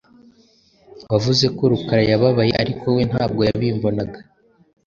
Wavuze ko Rukara yababaye, ariko we ntabwo yabimbonaga.